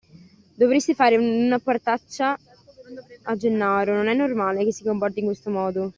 Dovresti fare una partaccia a Gennaro, non è normale che si comporti in questo modo.